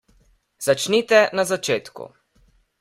Začnite na začetku.